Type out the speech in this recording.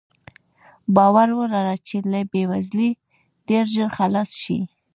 باور ولره چې له بې وزلۍ ډېر ژر خلاص شې.